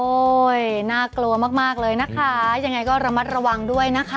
น่ากลัวมากมากเลยนะคะยังไงก็ระมัดระวังด้วยนะคะ